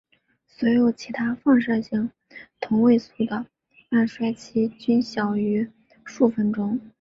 所有其他放射性同位素的半衰期均小于数分钟。